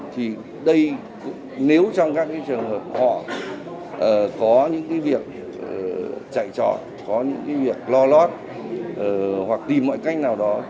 thì đây nếu trong các trường hợp họ có những việc chạy trò có những việc lo lót hoặc tìm mọi cách nào đó